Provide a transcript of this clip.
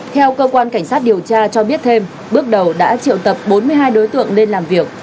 theo cơ quan cảnh sát điều tra cho biết thêm bước đầu đã triệu tập bốn mươi hai đối tượng lên làm việc